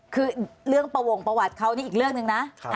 คือเรื่องประวงประวัติเขานี่อีกเรื่องหนึ่งนะ